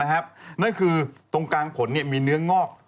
โดยคือตรงกลางผมมีเนื้อง้อก